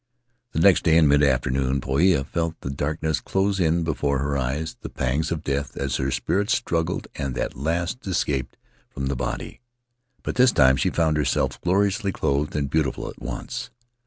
"The next day, in midafternoon, Poia again felt the darkness close in before her eyes, the pangs of death as her spirit struggled and at last escaped from the body. But this time she found herself gloriously clothed and beautiful at once.